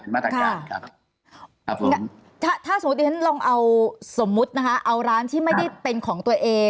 มาตรการครับถ้าสมมติลองเอาร้านที่ไม่ได้เป็นของตัวเอง